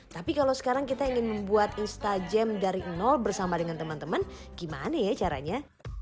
tapi kalau sekarang kita ingin membuat instajam dari nol bersama dengan teman teman gimana ya caranya